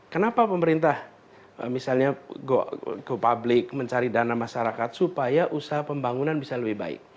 kenapa pemerintah misalnya go public mencari dana masyarakat supaya usaha pembangunan bisa lebih baik